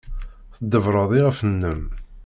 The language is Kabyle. Tḍebbred iɣef-nnem.